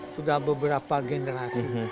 sudah beberapa generasi